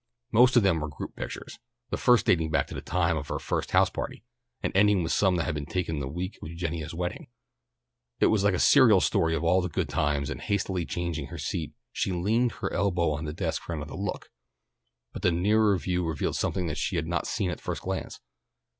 Most of them were group pictures, the first dating back to the time of her first house party, and ending with some that had been taken the week of Eugenia's wedding. It was like a serial story of all their good times, and hastily changing her seat she leaned her elbows on the desk for another look. But the nearer view revealed something that she had not seen at the first glance.